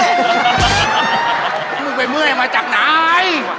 ส่วนให้มึงเป็นเมื่อยมาจากไหน